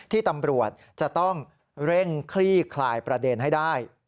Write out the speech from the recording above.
ที่ตำรวจจะต้องเร่งคลี่คลายประเด็นให้ได้